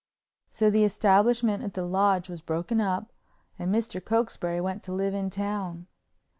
So the establishment at the Lodge was broken up and Mr. Cokesbury went to live in town.